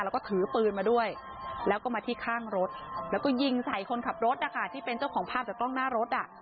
แล้วก็ถือปืนมาด้วยแล้วก็มาที่ข้างรถแล้วก็ยิงใส่คนขับรถนะคะที่เป็นเจ้าของภาพจากกล้องหน้ารถอ่ะ